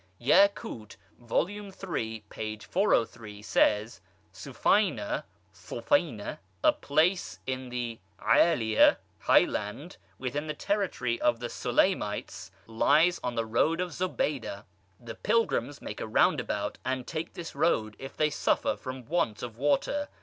Yacut, vol. iii. p. 403, says Sufayna ([Arabic] Cufayna), a place in the caliya (Highland) within the territory of the Solaymites, lies on the road of Zobayda. The pilgrims make a roundabout, and take this road, if they suffer from want of water.